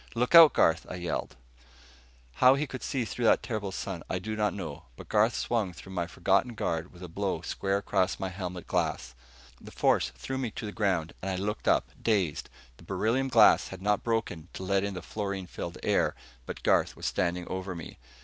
"Look out, Garth," I yelled. How he could see through that terrible sun I do not know, but Garth swung through my forgotten guard with a blow square across my helmet glass. The force threw me to the ground, and I looked up, dazed. The beryllium glass had not broken to let in the fluorine filled air, but Garth was standing over me.